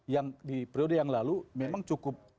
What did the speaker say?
yang di periode yang lalu memang cukup